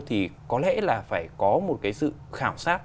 thì có lẽ là phải có một cái sự khảo sát